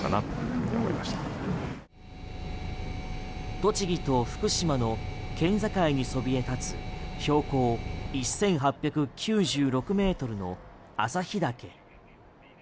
栃木と福島の県境にそびえ立つ標高１８９６ｍの朝日岳。